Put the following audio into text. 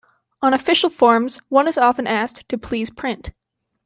On official forms, one is often asked to "please print".